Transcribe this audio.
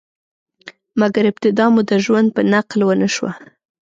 مګر، ابتدا مو د ژوندون په قتل ونشوه؟